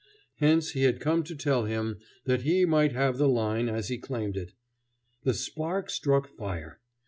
Hence he had come to tell him that he might have the line as he claimed it. The spark struck fire.